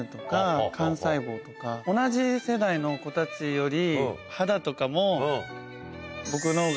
同じ世代の子たちより肌とかも。